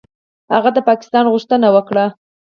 هغه د پاکستان غوښتنه وکړه.